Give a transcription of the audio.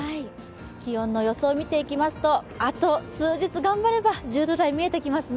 気温の予想見ていきますと、あと数日頑張れば、１０度台見えてきますね。